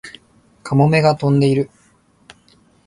カモメが飛んでいる